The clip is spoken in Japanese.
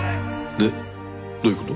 でどういう事？